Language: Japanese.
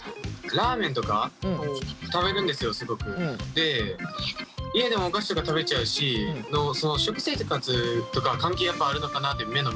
で家でもお菓子とか食べちゃうし食生活とか関係やっぱあるのかなって目のむくみで。